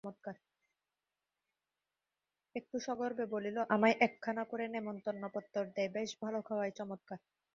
একটু সগর্বে বলিল, আমায় একখানা করে নেমন্তন্ন পত্তর দ্যায়, বেশ ভালো খাওয়ায়, চমৎকার।